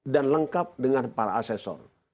dan lengkap dengan para asesor